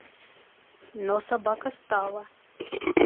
Но собака стала.